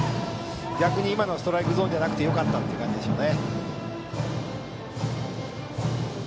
逆に、今のがストライクゾーンじゃなくてよかったという感じですね。